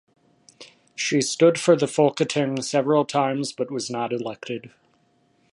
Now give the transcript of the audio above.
She stood for the Folketing several times but was not elected.